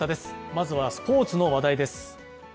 まずはスポーツの話題です。